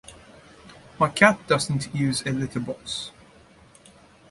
My cat doesn't use a litter box.